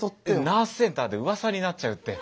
ナースセンターでうわさになっちゃうって。